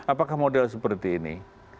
apakah model seperti ini